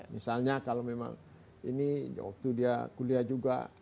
misalnya kalau memang ini waktu dia kuliah juga